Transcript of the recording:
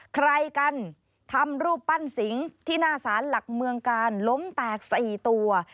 ใครกันทำรูปปั้นสิงที่หน้าสารหลักเมืองกาลล้มแตก๔ตัว